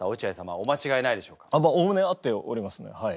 おおむね合っておりますねはい。